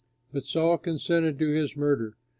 But Saul consented to his murder.